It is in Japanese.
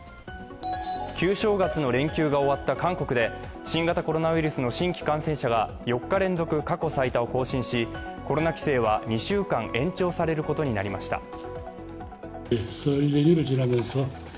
旧正月の連休が終わった韓国で新型コロナウイルスの新規感染者が４日連続過去最多を更新しコロナ規制は２週間、延長されることになりました。